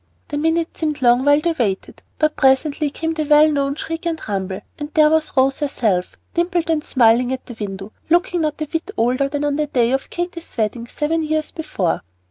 The minutes seemed long while they waited, but presently came the well known shriek and rumble, and there was Rose herself, dimpled and smiling at the window, looking not a whit older than on the day of Katy's wedding seven years before.